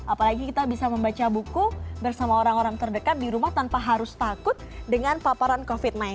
apalagi kita bisa membaca buku bersama orang orang terdekat di rumah tanpa harus takut dengan paparan covid sembilan belas